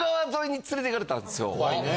怖いね。